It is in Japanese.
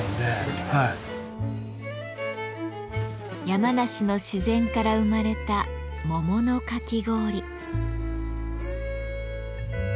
山梨の自然から生まれた桃のかき氷。